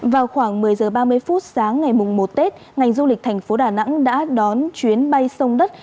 vào khoảng một mươi h ba mươi phút sáng ngày mùng một tết ngành du lịch thành phố đà nẵng đã đón chuyến bay sông đất